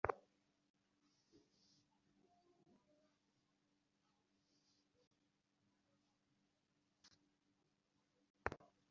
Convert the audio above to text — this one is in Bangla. তিনি বলেন যে, বুদ্ধ অপর সকল মানুষের উপরে মাথা তুলিয়া দাঁড়াইয়া আছেন।